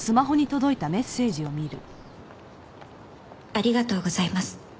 「ありがとうございます」